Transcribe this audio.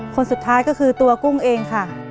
คนสุดท้ายคือกุ้ง